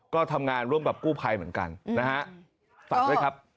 ก็ทำงานร่วมกับกู้ภัยเหมือนกันนะฮะฝากด้วยครับ